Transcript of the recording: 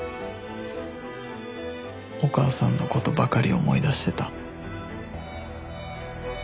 お母さんの事ばかり思い出してた